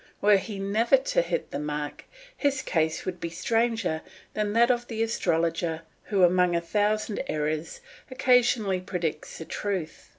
Were he never to hit the mark, his case would be stranger than that of the astrologer who, among a thousand errors, occasionally predicts the truth.